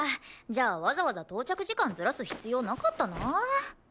じゃあわざわざ到着時間ずらす必要なかったな。